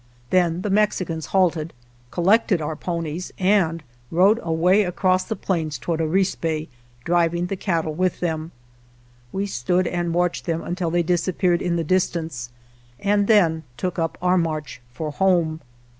Then the Mexicans halted, collected our ponies, and rode away across the plains toward Arispe, driving the cattle with them. We stood and watched them until they disappeared in the distance, and then took up our march for home.